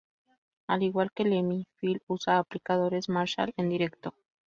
Al igual que Lemmy, Phil usa amplificadores Marshall en directo.